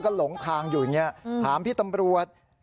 ก็หลงทางอยู่อย่างนี้ถามพี่ตำรวจ